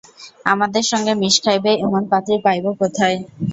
আমাদের সঙ্গে মিশ খাইবে, এমন পাত্রী পাইব কোথায়?